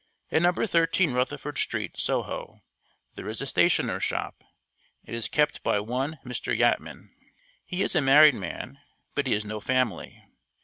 At Number Thirteen Rutherford Street, Soho, there is a stationer's shop. It is kept by one Mr. Yatman. He is a married man, but has no family.